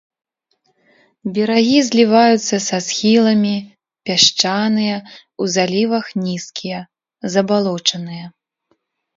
Берагі зліваюцца са схіламі, пясчаныя, у залівах нізкія, забалочаныя.